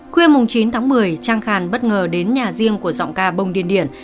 khuya chín tháng một mươi trang khàn bất ngờ đến nhà riêng của giọng ca bông điên điển